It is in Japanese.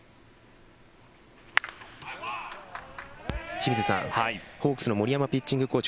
清水さん、ホークスの森山ピッチングコーチ。